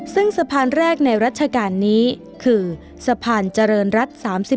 ซึ่งสะพานแรกในรัชกาลนี้คือสะพานเจริญรัฐ๓๔